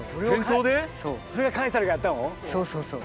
そうそうそう。